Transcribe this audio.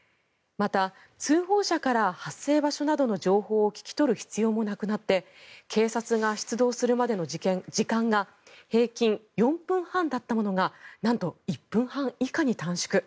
また、通報者から発生場所などの情報を聞き取る必要もなくなって警察が出動するまでの時間が平均４分半だったものがなんと１分以下に短縮。